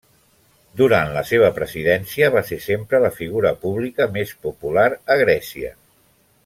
Durant la seva presidència, va ser sempre la figura pública més popular a Grècia.